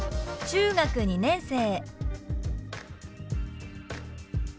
「中学２年生」。